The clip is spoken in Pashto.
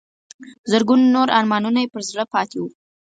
زرګونو نور ارمانونه به یې پر زړه پاتې وو.